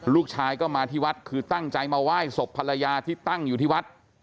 ลูกชายก็มาที่วัดคือตั้งใจมาไหว้ศพภรรยาที่ตั้งอยู่ที่วัด